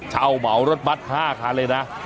เหมารถบัตร๕คันเลยนะ